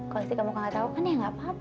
kalau istri kamu gak tahu kan ya gak apa apa